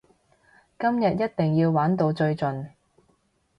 今日一定要玩到最盡！